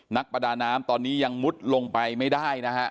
นักประดาน้ำตอนนี้ยังมุดลงไปไม่ได้นะฮะ